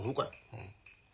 うん。